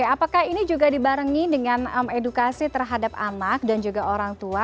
apakah ini juga dibarengi dengan edukasi terhadap anak dan juga orang tua